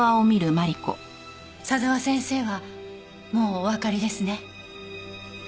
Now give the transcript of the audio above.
佐沢先生はもうおわかりですね？